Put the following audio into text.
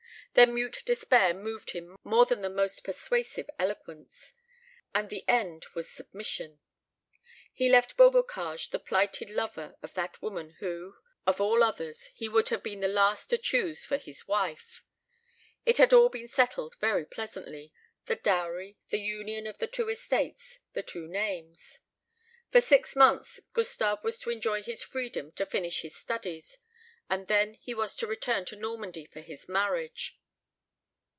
Their mute despair moved him more than the most persuasive eloquence; and the end was submission. He left Beaubocage the plighted lover of that woman who, of all others, he would have been the last to choose for his wife. It had all been settled very pleasantly the dowry, the union of the two estates, the two names. For six months Gustave was to enjoy his freedom to finish his studies; and then he was to return to Normandy for his marriage.